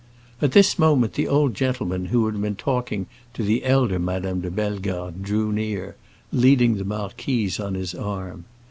At this moment the old gentleman who had been talking to the elder Madame de Bellegarde drew near, leading the marquise on his arm.